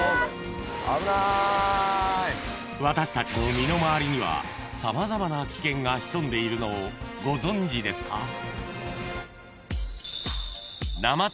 ［私たちの身の回りには様々な危険が潜んでいるのをご存じですか？］